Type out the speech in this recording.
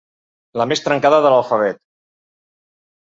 La més trencada de l'alfabet.